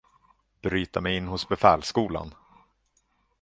Bryta mig in hos befälsskolan